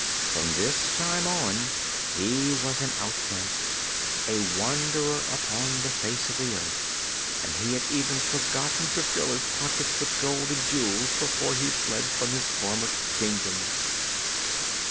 From this time on he was an outcast a wanderer upon the face of the earth and he had even forgotten to fill his pockets with gold and jewels before he fled from his former Kingdom!